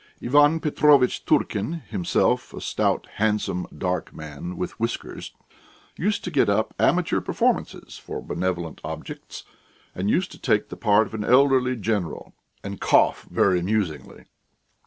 Ivan Petrovitch Turkin himself a stout, handsome, dark man with whiskers used to get up amateur performances for benevolent objects, and used to take the part of an elderly general and cough very amusingly.